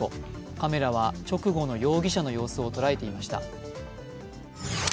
カメラは直後の容疑者の様子を捉えていました。